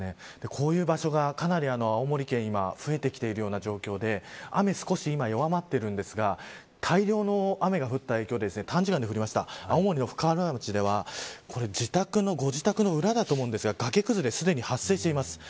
こういう場所かなり青森県増えてきているような状況で雨は少し今弱まっていますが大量の雨が降った影響で青森県深浦町ではご自宅の裏だと思うんですが崖崩れがすでに発生しています。